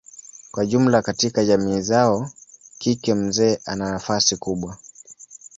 Kwa jumla katika jamii zao kike mzee ana nafasi kubwa.